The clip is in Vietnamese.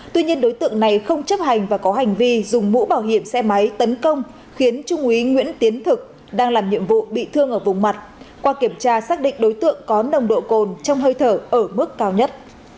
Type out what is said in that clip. tuy nhiên đối tượng này không chấp hành và có hành vi dùng mũ bảo hiểm xe máy tấn công khiến trung úy nguyễn tiến thực đang làm nhiệm vụ bị thương ở vùng mặt qua kiểm tra xác định đối tượng có nồng độ cồn trong hơi thở ở mức cao nhất